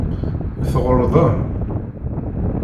Tɣelḍem.